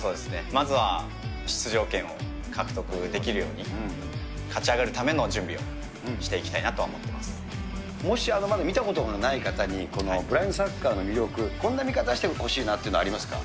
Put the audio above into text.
まずは出場権を獲得できるように勝ち上がるための準備をしていきもし、見たことがない方にブラインドサッカーの魅力、こんな見方してほしいなというの、ありますか。